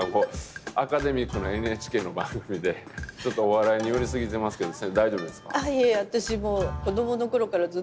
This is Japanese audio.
アカデミックなＮＨＫの番組でちょっとお笑いに寄りすぎてますけど大丈夫ですか？